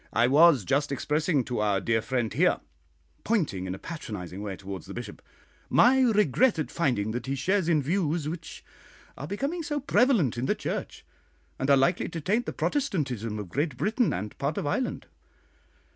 I was just expressing to our dear friend here," pointing in a patronising way towards the Bishop, "my regret at finding that he shares in views which are becoming so prevalent in the Church, and are likely to taint the Protestantism of Great Britain and part of Ireland."